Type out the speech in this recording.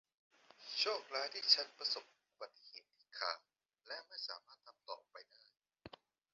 โชคร้ายที่ฉันประสบอุบัติเหตุที่ขาและไม่สามารถทำต่อไปได้